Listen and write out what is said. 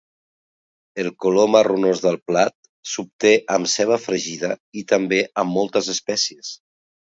El color marronós del plat s'obté amb ceba fregida, i també amb moltes espècies.